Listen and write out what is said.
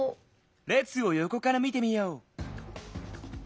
れつをよこからみてみよう。